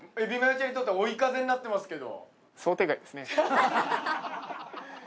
ちゃんにとって追い風になってますけど。